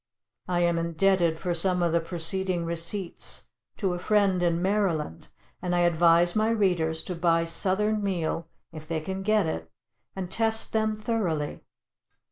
I am indebted for some of the preceding receipts to a friend in Maryland, and I advise my readers to buy Southern meal, if they can get it, and test them thoroughly.